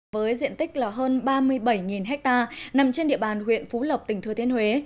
với diện tích hơn ba mươi bảy ha nằm trên địa bàn huyện phú lộc tỉnh thừa thiên huế